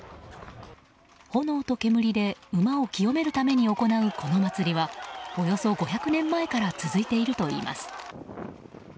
炎と煙で馬を清めるために行うこの祭りはおよそ５００年前から続いているといいます。